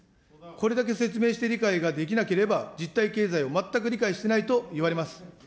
これだけ説明して理解ができなければ、実体経済を全く理解していないといわれます。